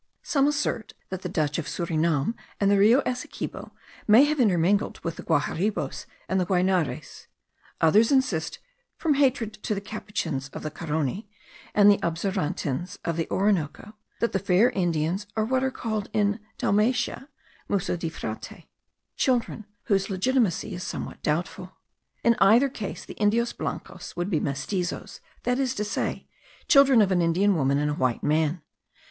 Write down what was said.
Some assert, that the Dutch of Surinam and the Rio Essequibo may have intermingled with the Guaharibos and the Guainares; others insist, from hatred to the Capuchins of the Carony, and the Observantins of the Orinoco, that the fair Indians are what are called in Dalmatia muso di frate, children whose legitimacy is somewhat doubtful. In either case the Indios blancos would be mestizos, that is to say, children of an Indian woman and a white man.